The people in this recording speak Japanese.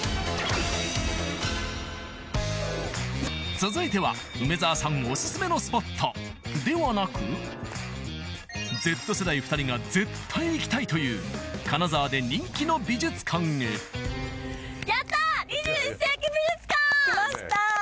続いては梅沢さんオススメのスポットではなくＺ世代２人が絶対行きたいという金沢で人気の美術館へやった２１世紀美術館！来ました！